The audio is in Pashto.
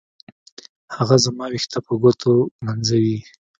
هغه زما ويښته په ګوتو ږمنځوي.